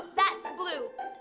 tidak itu biru